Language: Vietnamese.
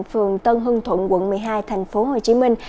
phường tân hương thuận quận một mươi hai thành phố hồ chí minh